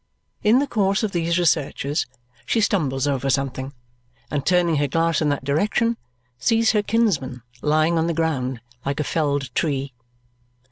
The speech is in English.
In the course of these researches she stumbles over something, and turning her glass in that direction, sees her kinsman lying on the ground like a felled tree.